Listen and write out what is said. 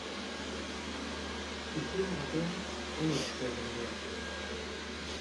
Itxura batean, onik zeuden biak.